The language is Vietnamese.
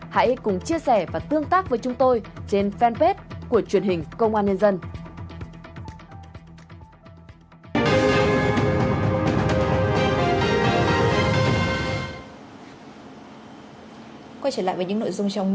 hãy cùng chia sẻ và tương tác với chúng tôi trên fanpage của truyền hình công an nhân dân